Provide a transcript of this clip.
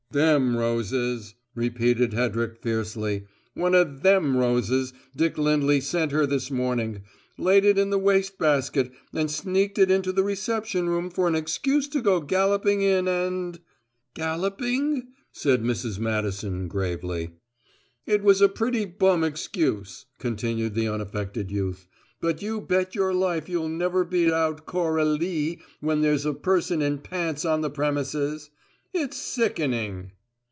"Them roses!" repeated Hedrick fiercely. "One o' them roses Dick Lindley sent her this morning. Laid it in the waste basket and sneaked it into the reception room for an excuse to go galloping in and " "`Galloping'?" said Mrs. Madison gravely. "It was a pretty bum excuse," continued the unaffected youth, "but you bet your life you'll never beat our Cora lee when there's a person in pants on the premises! It's sickening."